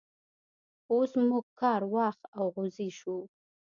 اوس موږ کار واښ او غوزی شو.